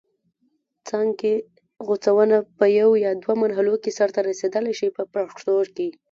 څانګې غوڅونه په یوه یا دوه مرحلو کې سرته رسیدلای شي په پښتو کې.